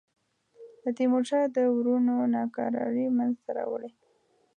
د تیمورشاه د وروڼو ناکراری منځته راوړي.